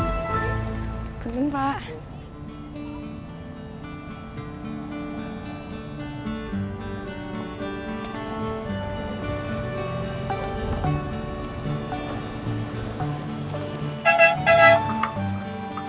nah berapa pegangan tadi pak